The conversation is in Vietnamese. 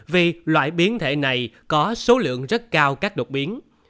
vì loại biến thể này có số lượng rất cao các đột biến